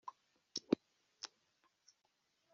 amaze gupfa Amasiya e mwene